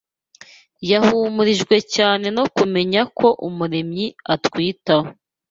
Yahumurijwe cyane no kumenya ko Umuremyi atwitaho